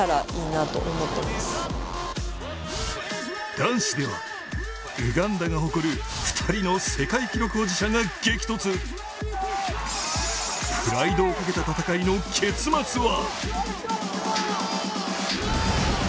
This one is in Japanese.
男子ではウガンダが誇る２人の世界記録保持者が激突プライドをかけた戦いの結末は？